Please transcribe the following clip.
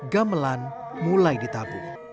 gamelan mulai ditabung